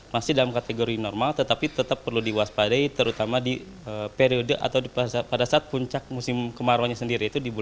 masih dalam kategori normal tetapi tetap perlu diwaspadai terutama di periode atau pada saat puncak musim kemarau nya sendiri itu